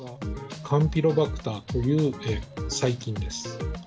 カンピロバクターという細菌です。